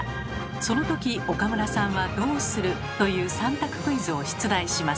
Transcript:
その時岡村さんはどうする？という３択クイズを出題します。